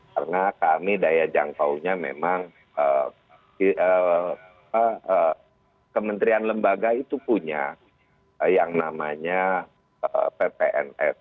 karena kami daya jangkaunya memang kementerian lembaga itu punya yang namanya ppns